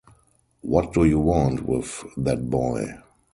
What do you want with that boy?